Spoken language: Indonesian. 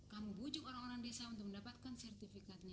kamu bujuk orang orang desa untuk mendapatkan sertifikatnya